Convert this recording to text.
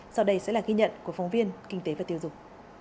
sau đây sẽ là ghi nhận của phóng viên kinh tế và tiêu dùng